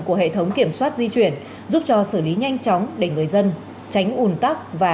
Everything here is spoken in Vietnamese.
của hệ thống kiểm soát di chuyển giúp cho xử lý nhanh chóng để người dân tránh ủn tắc và